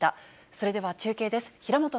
それでは中継です。